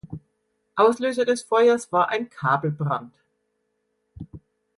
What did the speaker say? Auslöser des Feuers war ein Kabelbrand.